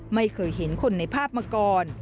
ไม่เคยเห็นคนในภาพมาก่อน